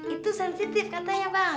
itu sensitif katanya bang